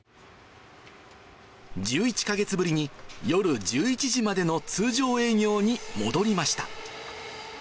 １１か月ぶりに、夜１１時までの通常営業に戻りました。